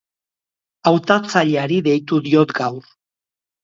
Hautatzaileari deitu diot gaur.